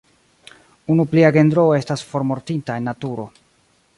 Unu plia genro estas formortinta en naturo.